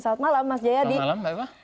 selamat malam mas jaya di selamat malam mbak ima